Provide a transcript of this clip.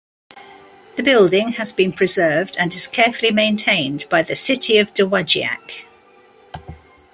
The building has been preserved and is carefully maintained by the City of Dowagiac.